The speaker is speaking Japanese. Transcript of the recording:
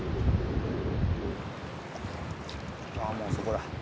ああもうそこだ。